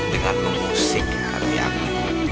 dengan memusik hati aku